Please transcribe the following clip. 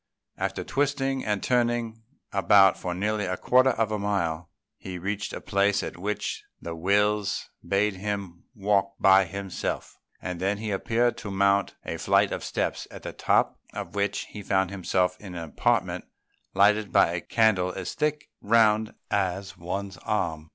After twisting and turning about for nearly a quarter of a mile, he reached a place at which the Wills bade him walk by himself; and then he appeared to mount a flight of steps, at the top of which he found himself in an apartment lighted by a candle as thick round as one's arm.